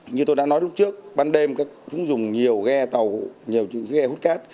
như tôi đã nói lúc trước ban đêm chúng dùng nhiều ghe hút cát